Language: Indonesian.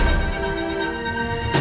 aku gak bisa ketemu mama lagi